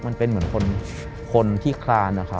มันเป็นเหมือนคนที่คลานนะครับ